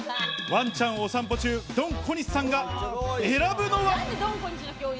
ワンちゃんお散歩中、ドン小西さんが選ぶのは。